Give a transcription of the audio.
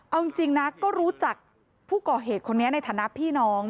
เอาจริงนะก็รู้จักผู้ก่อเหตุคนนี้ในฐานะพี่น้อง